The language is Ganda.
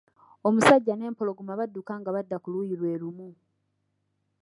Omusajja n'empologoma badduka nga badda ku luuyi lwe lumu.